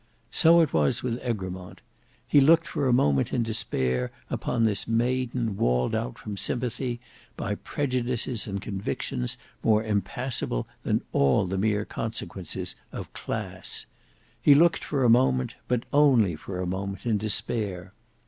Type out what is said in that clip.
So it was with Egremont. He looked for a moment in despair upon this maiden walled out from sympathy by prejudices and convictions more impassable than all the mere consequences of class. He looked for a moment, but only for a moment, in despair.